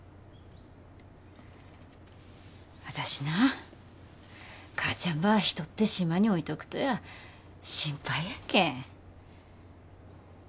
私な母ちゃんば一人で島に置いとくとや心配やけん。